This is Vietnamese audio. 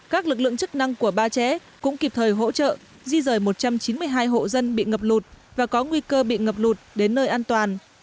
các lực lượng chức năng của ba trẻ cũng kịp thời hỗ trợ di rời một trăm chín mươi hai hộ dân bị ngập lụt và có nguy cơ bị ngập lụt đến nơi an toàn